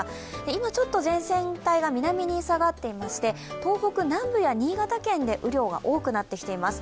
今ちょっと前線帯が南に下がっていまして、東北南部や新潟県で雨量が多くなってきています。